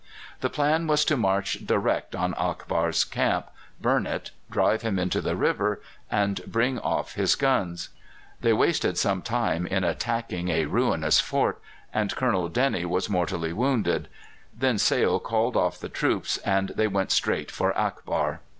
The plan was to march direct on Akbar's camp, burn it, drive him into the river, and bring off his guns. They wasted some time in attacking a ruinous fort, and Colonel Dennie was mortally wounded. Then Sale called off the troops, and they went straight for Akbar.